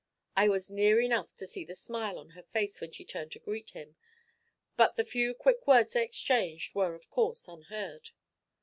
I was near enough to see the smile on her face when she turned to greet him, but the few quick words they exchanged were of course unheard.